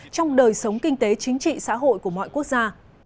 trong đời sống kinh tế chính trị xã hội của mọi quốc gia